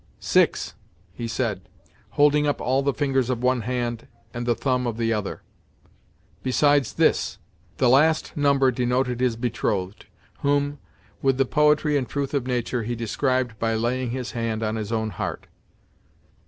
"Six " he said, holding up all the fingers of one hand, and the thumb of the other, "besides this." The last number denoted his betrothed, whom, with the poetry and truth of nature, he described by laying his hand on his own heart.